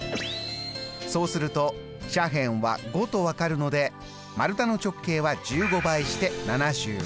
そうすると斜辺は５と分かるので丸太の直径は１５倍して７５。